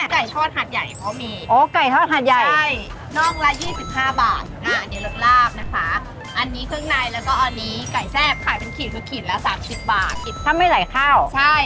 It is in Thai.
ก๋วยกายทอดหัดใหญ่เค้ามี